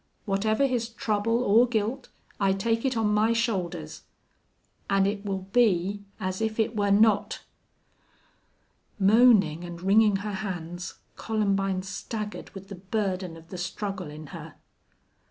Whatever his trouble or guilt, I take it on my shoulders. An' it will be as if it were not!" Moaning and wringing her hands, Columbine staggered with the burden of the struggle in her.